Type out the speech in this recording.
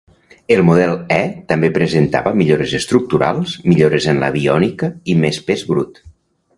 El model E també presentava millores estructurals, millores en l'aviònica i més pes brut.